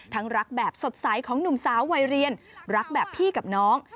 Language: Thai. รักแบบสดใสของหนุ่มสาววัยเรียนรักแบบพี่กับน้อง